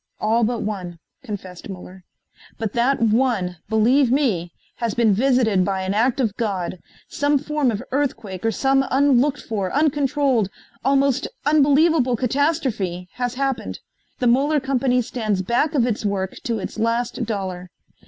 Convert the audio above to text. All but one," confessed Muller. "But that one, believe me, has been visited by an act of God. Some form of earthquake or some unlooked for, uncontrolled, almost unbelievable catastrophe has happened. The Muller company stands back of its work to its last dollar.